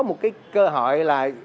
một cái cơ hội là